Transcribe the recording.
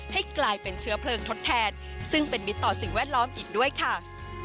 ให้กลายเป็นเชื้อเพลิงทดแทนซึ่งเป็นมิตรต่อสิ่งแวดล้อมอีกด้วยค่ะ